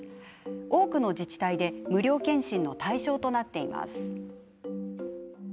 多くの自治体で無料検診の対象となっています。